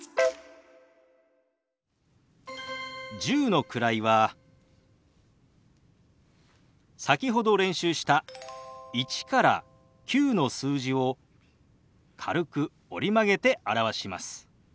１０の位は先ほど練習した１から９の数字を軽く折り曲げて表します。